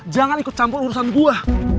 jangan ikut campur urusan buah